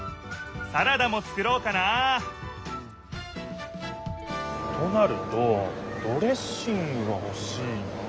サラダも作ろうかなあとなるとドレッシングがほしいなあ。